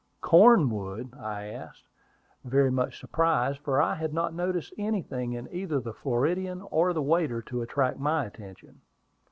"Cornwood?" I asked, very much surprised, for I had not noticed anything in either the Floridian or the waiter to attract my attention.